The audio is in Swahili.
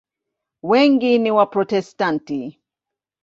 Wengi ni Waprotestanti.